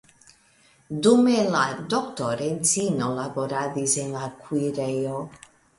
Dume la doktoredzino laboradis en la kuirejo.